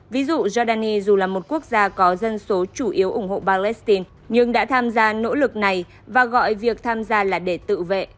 ví dụ jordani dù là một quốc gia có dân số chủ yếu ủng hộ palestine nhưng đã tham gia nỗ lực này và gọi việc tham gia là để tự vệ